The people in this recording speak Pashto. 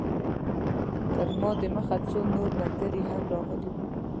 تر ما د مخه څو نور ملګري هم راغلي وو.